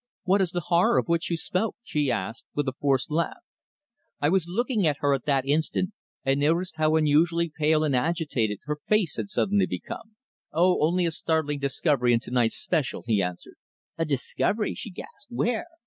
"What is the horror of which you spoke?" she asked, with a forced laugh, I was looking at her at that instant and noticed how unusually pale and agitated her face had suddenly become. "Oh, only a startling discovery in to night's special," he answered. "A discovery!" she gasped, "Where?"